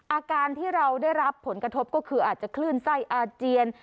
อาการที่เราได้รับผลกระทบก็คืออาจจะคลื่นไส้อาเจียน